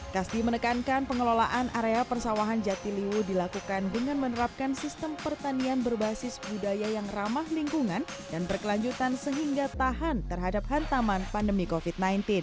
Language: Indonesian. kasdi menekankan pengelolaan area persawahan jatilu dilakukan dengan menerapkan sistem pertanian berbasis budaya yang ramah lingkungan dan berkelanjutan sehingga tahan terhadap hantaman pandemi covid sembilan belas